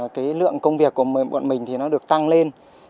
cái lượng công việc của bọn mình thì nó được tăng lên